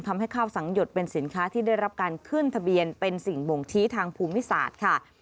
ทำให้ข้าวสังหยดเป็นสินค้าที่ได้รับการขึ้นทะเบียนเป็นสิ่งบ่งชี้ทางภูมิศาสตร์ค่ะ